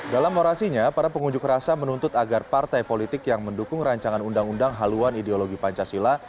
dalam orasinya para pengunjuk rasa menuntut agar partai politik yang mendukung rancangan undang undang haluan ideologi pancasila